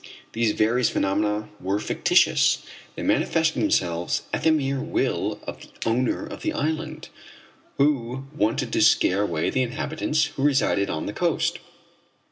These various phenomena were fictitious. They manifested themselves at the mere will of the owner of the island, who wanted to scare away the inhabitants who resided on the coast.